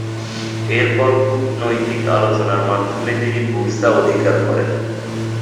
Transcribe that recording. এরপর কূটনৈতিক আলোচনার মাধ্যমে তিনি বুরসা অধিকার করে।